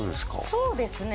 そうですね